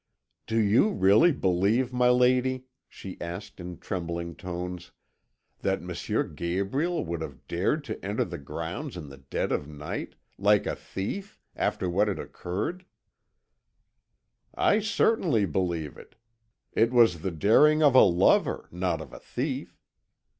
"Do you really believe, my lady," she asked in trembling tones, "that M. Gabriel would have dared to enter the grounds in the dead of night, like a thief, after what had occurred?" "I certainly believe it; it was the daring of a lover, not of a thief.